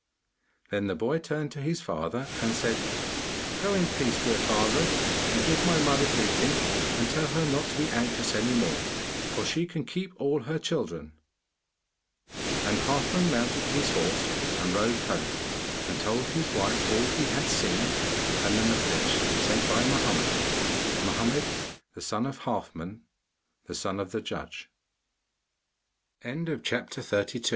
Then the boy turned to his father and said, 'Go in peace, dear father, and give my mother greeting and tell her not to be anxious any more, for she can keep all her children.' And Halfman mounted his horse and rode home, and told his wife all he had seen, and the message sent by Mohammed Mohammed the son o